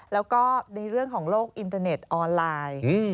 แล้วก็ในเรื่องของโลกอินเทอร์เน็ตออนไลน์